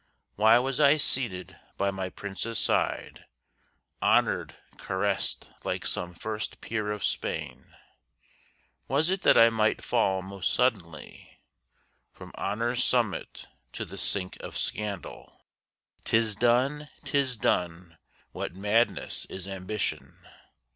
Why was I seated by my prince's side, Honor'd, caress'd like some first peer of Spain? Was it that I might fall most suddenly From honor's summit to the sink of scandal? 'Tis done, 'tis done! what madness is ambition!